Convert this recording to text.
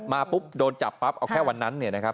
ปุ๊บโดนจับปั๊บเอาแค่วันนั้นเนี่ยนะครับ